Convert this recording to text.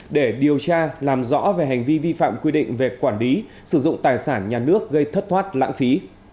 để điều tra làm rõ về hành vi vi phạm quy định về quản lý sử dụng tài sản nhà nước gây thất thoát lãng phí